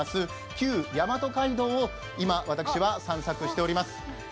旧大和街道を今、私は散策しております。